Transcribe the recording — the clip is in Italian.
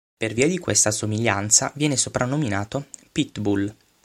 Per via di questa somiglianza viene soprannominato "Pitbull".